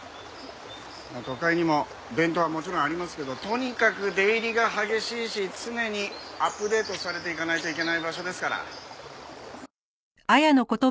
都会にも伝統はもちろんありますけどとにかく出入りが激しいし常にアップデートされていかないといけない場所ですから。